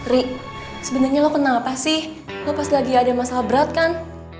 ri sebenarnya lo kena apa sih lo pas lagi ada masalah berat kan